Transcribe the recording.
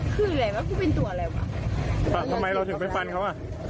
คืออะไรวะกูเป็นตัวอะไรวะทำไมเราถึงไปฟันเขาอ่ะ